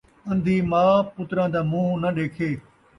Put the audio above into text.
اندھی ماء پتراں دا مونہہ ناں ݙیکھے